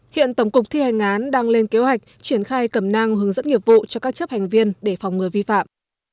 hiện tổng cục thi hành án đang lên kế hoạch triển khai cầm nang hướng dẫn nghiệp vụ cho các chấp hành viên để phòng ngừa vi phạm